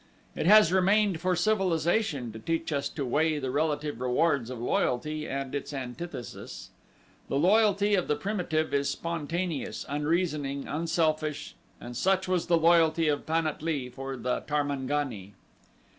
It has remained for civilization to teach us to weigh the relative rewards of loyalty and its antithesis. The loyalty of the primitive is spontaneous, unreasoning, unselfish and such was the loyalty of Pan at lee for the Tarmangani.